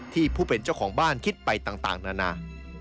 ผู้เป็นเจ้าของบ้านคิดไปต่างนานา